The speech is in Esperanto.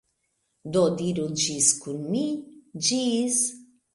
Do diru ĝis kun mi. Ĝis!